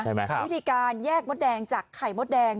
ใช่ไหมครับวิธีการแยกมดแดงจากไข่มดแดง